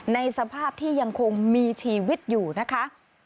ในสภาพที่ยังคงมีชีวิตอยู่นะคะ